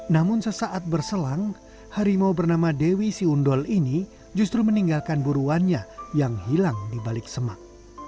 namun sesaat berselang harimau bernama dewi siundol ini justru meninggalkan buruannya yang hilang di balik semak